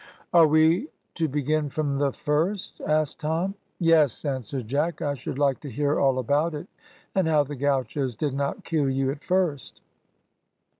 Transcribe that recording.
"Are we to begin from the first?" asked Tom. "Yes," answered Jack. "I should like to hear all about it, and how the gauchos did not kill you at first."